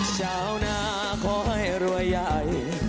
ชาวหน้าขอให้รวยใหญ่